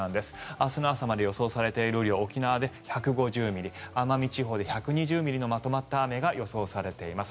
明日の朝まで予想されている雨量沖縄で１５０ミリ奄美地方で１２０ミリのまとまった雨が予想されています。